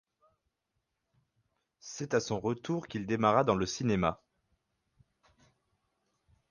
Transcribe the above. C'est à son retour qu'il démarra dans le cinéma.